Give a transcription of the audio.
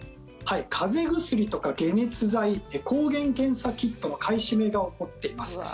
風邪薬とか解熱剤抗原検査キットの買い占めが起こっています。